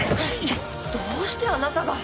「どうしてあなたが？」